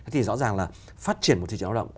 thì rõ ràng là phát triển một thị trường lao động